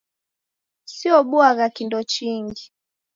Siobuagha kindo chingi.